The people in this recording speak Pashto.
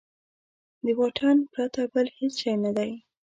د واټن پرته بل هېڅ شی نه دی.